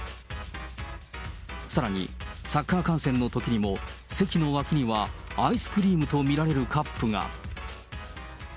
さらに、サッカー観戦のときにも、席のわきにはアイスクリームと見られるカップが。